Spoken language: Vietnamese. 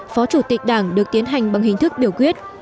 phó chủ tịch đảng được tiến hành bằng hình thức biểu quyết